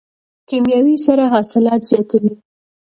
کیمیاوي سره حاصلات زیاتوي.